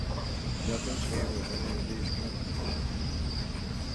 Nothing came of any of these companies.